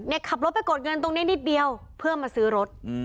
ขับรถไปกดเงินตรงนี้นิดเดียวเพื่อมาซื้อรถ